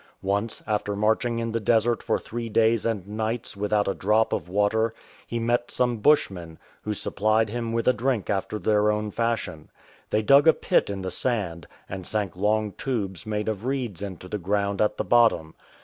Once, after marching in the desert for three days and nights without a drop of water, he met some Bushmen, who supplied him with a drink after their own fashion. They dug a pit in the sand, and sank long tubes made of reeds into the ground at the bottom.